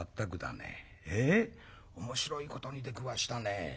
面白いことに出くわしたね。